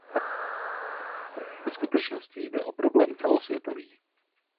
Ve skutečnosti jde o problém celosvětový.